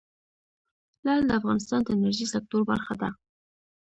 لعل د افغانستان د انرژۍ سکتور برخه ده.